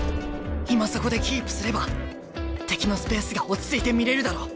今そこでキープすれば敵のスペースが落ち着いて見れるだろ。